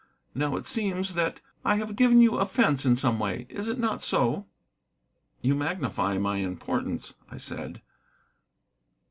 Now it seems that I have given you offence in some way. Is it not so?" "You magnify my importance," I said.